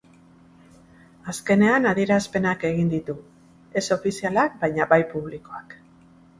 Azkenean adierazpenak egin ditu, ez ofizialak baina, bai publikoak.